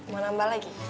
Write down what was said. mau nambah lagi